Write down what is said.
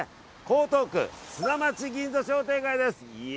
江東区砂町銀座商店街です。